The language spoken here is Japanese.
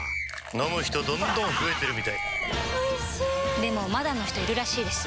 飲む人どんどん増えてるみたいおいしでもまだの人いるらしいですよ